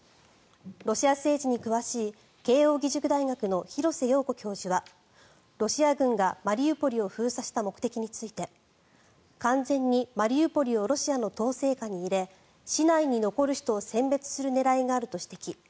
ロシア政治に詳しい慶応義塾大学の廣瀬陽子教授はロシア軍がマリウポリを封鎖した目的について完全にマリウポリをロシアの統制下に入れ市内に残る人を選別する狙いがあると指摘。